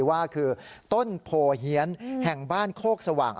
ว่าคือต้นโพเฮียนแห่งบ้านโคกสว่าง